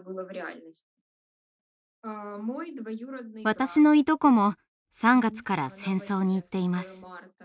私のいとこも３月から戦争に行っています。